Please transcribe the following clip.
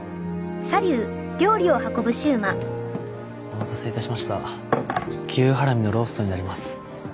お待たせいたしました牛ハラミのローストになります。